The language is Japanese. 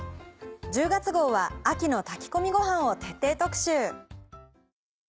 １０月号は秋の炊き込みごはんを徹底特集。